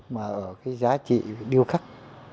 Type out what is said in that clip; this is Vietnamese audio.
mà ở cái giá trị điêu khắc